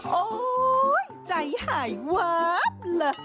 โอ๊ยใจหายวาบเลย